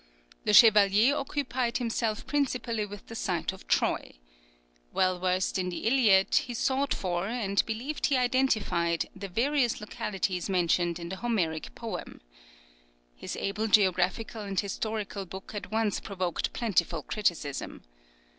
Le Chevalier occupied himself principally with the site of Troy. Well versed in the Iliad, he sought for, and believed he identified, the various localities mentioned in the Homeric poem. His able geographical and historical book at once provoked plentiful criticism.